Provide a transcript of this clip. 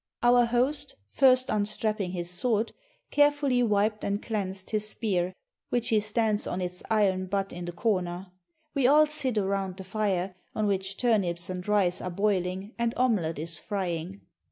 Our host, first unstrapping his sword, carefully wiped and cleansed his spear, which he stands on its iron butt in the corner. We all sit around the fire, on which turnips and rice are boiling and omelet is frying.